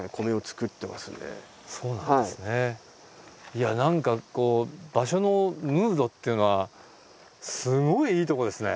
いや何かこう場所のムードっていうのはすごいいいとこですね。